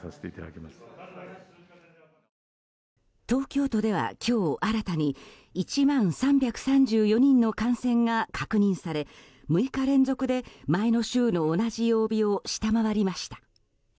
東京都では今日新たに１万３３４人の感染が確認され６日連続で前の週の同じ曜日を下回りました。